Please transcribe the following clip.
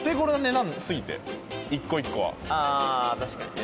確かにね